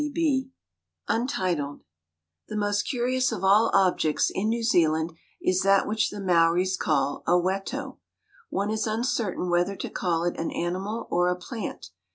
The most curious of all objects in New Zealand is that which the Maoris call "aweto." One is uncertain whether to call it an animal or a plant.